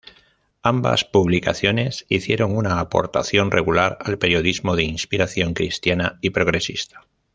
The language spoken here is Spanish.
Ambas publicaciones hicieron una aportación regular al periodismo de inspiración cristiana y progresista.